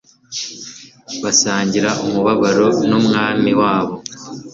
basangira umubabaro n'Umwami wabo.